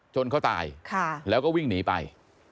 เขาตายแล้วก็วิ่งหนีไป